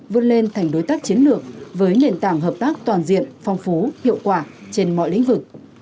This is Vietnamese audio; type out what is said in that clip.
vươn lên thành đối tác chiến lược với nền tảng hợp tác toàn diện phong phú hiệu quả trên mọi lĩnh vực